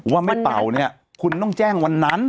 ว่าไม่เป่าเนี่ยคุณต้องแจ้งวันนั้น